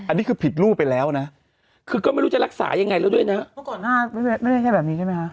อันนี้คือผิดรูปไปแล้วนะคือก็ไม่รู้จะรักษายังไงแล้วด้วยนะเมื่อก่อนหน้าไม่ใช่แค่แบบนี้ใช่ไหมคะ